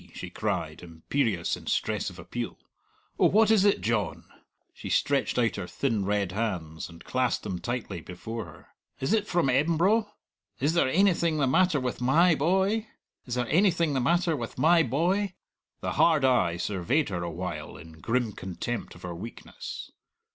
she cried, imperious in stress of appeal. "Oh, what is it, John?" She stretched out her thin, red hands, and clasped them tightly before her. "Is it from Embro? Is there ainything the matter with my boy? Is there ainything the matter with my boy?" The hard eye surveyed her a while in grim contempt of her weakness.